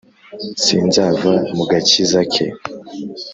Sinzava mu gakiza ke !